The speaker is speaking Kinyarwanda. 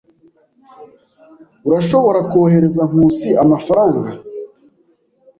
Urashobora kohereza Nkusi amafaranga.